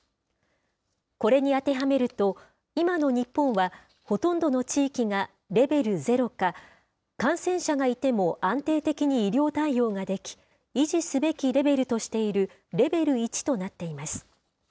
これに当てはめると、今の日本はほとんどの地域がレベル０か、感染者がいても安定的に医療対応ができ、維持すべきレベルとしているレベル１となっています。